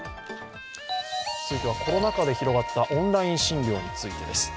続いてはコロナ禍で広がったオンライン診療についてです。